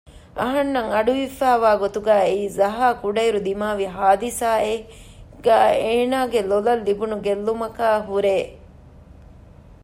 އަހަންނަށް އަޑުއިވިފައިވާ ގޮތުގައި އެއީ ޒަހާ ކުޑައިރު ދިމާވި ޙާދިޘާއެއްގައި އޭނާގެ ލޮލަށް ލިބުނު ގެއްލުމަކާއި ހުރޭ